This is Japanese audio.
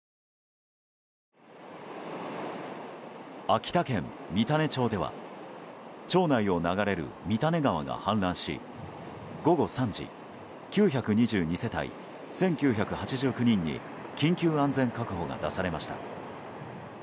秋田県三種町では町内を流れる三種川が氾濫し午後３時９２２世帯１９８９人に緊急安全確保が出されました。